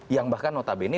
yang bahkan notabene